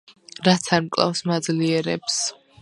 რაც არ მკლავს, მაძლიერებს